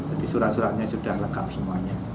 surat suratnya sudah lengkap semuanya